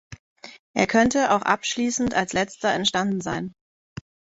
Er könnte auch abschließend, als letzter, entstanden sein.